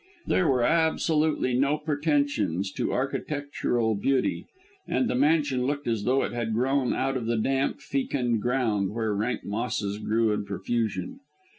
There were absolutely no pretensions to architectural beauty, and the mansion looked as though it had grown out of the damp, fecund ground, where rank grasses grew in profusion.